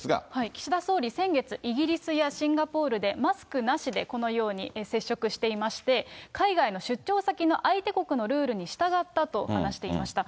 岸田総理、先月、イギリスやシンガポールでマスクなしで、このように接触していまして、海外の出張先の相手国のルールに従ったと話していました。